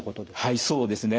はいそうですね。